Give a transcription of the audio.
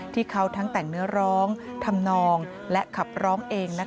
ที่เขาทั้งแต่งเนื้อร้องทำนองและขับร้องเองนะคะ